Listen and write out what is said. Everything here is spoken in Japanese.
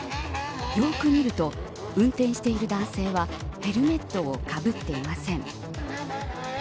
よく見ると、運転している男性はヘルメットをかぶっていません。